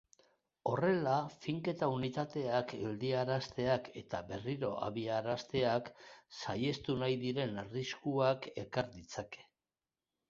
Horrela, finketa-unitateak geldiarazteak eta berriro abiarazteak saihestu nahi diren arriskuak ekar ditzake.